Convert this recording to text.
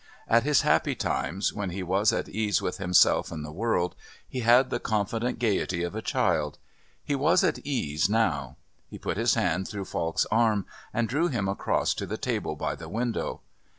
At his happy times, when he was at ease with himself and the world, he had the confident gaiety of a child; he was at ease now. He put his hand through Falk's arm and drew him across to the table by the window.